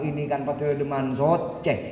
ini kan patuhnya deman socek